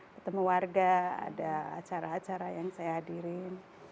ketemu warga ada acara acara yang saya hadirin